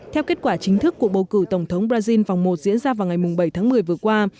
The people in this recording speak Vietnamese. theo kết quả chính thức của bầu cử tổng thống brazil vòng một diễn ra vào ngày bảy tháng một mươi vừa qua